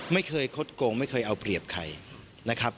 ไม่เคยคดโกงไม่เคยเอาเปรียบใครนะครับ